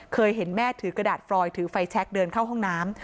เคยเห็นแม่ถือกระดาษฟรอยถือไฟแชคเดินเข้าห้องน้ำ